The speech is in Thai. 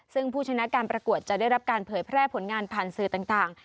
ซึ่งผู้ชนะการประกวดจะได้รับการเผยแพร่ผลงานผ่านสื่อต่าง